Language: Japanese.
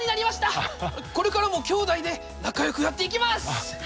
これからも兄妹で仲良くやっていきます！